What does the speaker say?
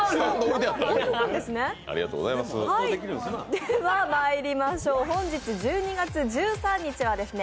ではまいりましょう本日１２月１３日はですね